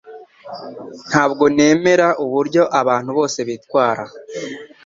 Ntabwo nemera uburyo abantu bose bitwara